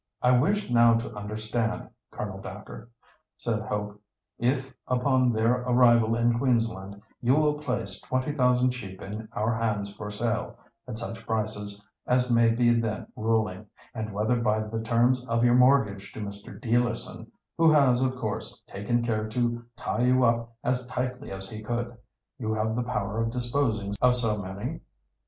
"I wish now to understand, Colonel Dacre," said Hope; "if, upon their arrival in Queensland, you will place 20,000 sheep in our hands for sale—at such prices as may be then ruling—and whether by the terms of your mortgage to Mr. Dealerson—who has of course, taken care to tie you up as tightly as he could—you have the power of disposing of so many."